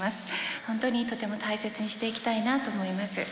本当にとても大切にしていきたいなと思います。